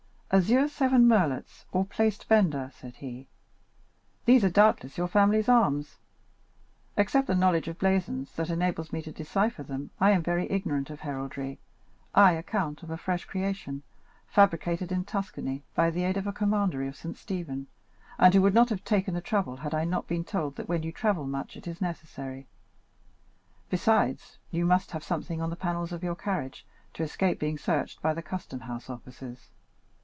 "Azure seven merlets, or, placed bender," said he. "These are, doubtless, your family arms? Except the knowledge of blazons, that enables me to decipher them, I am very ignorant of heraldry—I, a count of a fresh creation, fabricated in Tuscany by the aid of a commandery of St. Stephen, and who would not have taken the trouble had I not been told that when you travel much it is necessary. Besides, you must have something on the panels of your carriage, to escape being searched by the custom house officers.